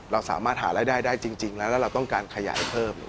เราสามารถหารายได้ได้จริงแล้วแล้วเราต้องการขยายเพิ่ม